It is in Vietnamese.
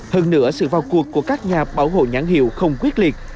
hơn nữa sự vào cuộc của các nhà bảo hộ nhãn hiệu không quyết liệt